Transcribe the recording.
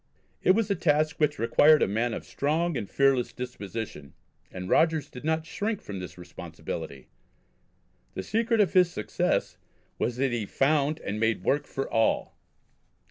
It was a task which required a man of strong and fearless disposition, and Rogers did not shrink from the responsibility. The secret of his success was that he found and made work for all.